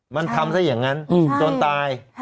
มันทำซะอย่างนั้นจนตาย